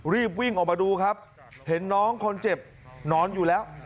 รีบวิ่งออกมาดูครับเห็นน้องคนเจ็บนอนอยู่แล้ว